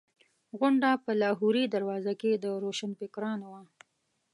غونډه په لاهوري دروازه کې د روشنفکرانو وه.